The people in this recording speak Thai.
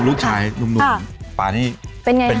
สู้ค่ะป๊าเร็ว